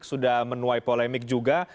sudah menuai polemik juga